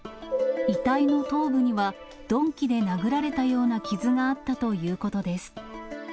遺体の頭部には鈍器で殴られたような傷があったということです。